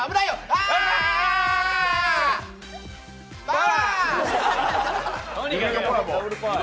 あパワー！